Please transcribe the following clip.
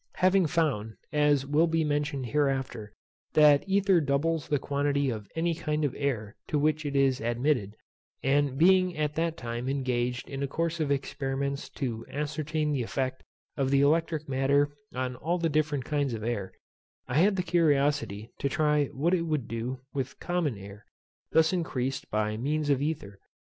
Having found, as will be mentioned hereafter, that ether doubles the quantity of any kind of air to which it is admitted; and being at that time engaged in a course of experiments to ascertain the effect of the electric matter on all the different kinds of air, I had the curiosity to try what it would do with common air, thus increased by means of ether.